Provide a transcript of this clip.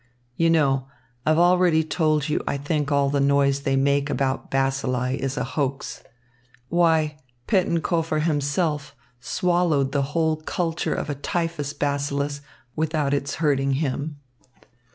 You know, I've already told you I think all the noise they make about bacilli is a hoax. Why, Pettenkofer himself swallowed the whole culture of a typhus bacillus without its hurting him.